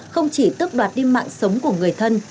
không chỉ tức đoạt đi mạng sống của người thân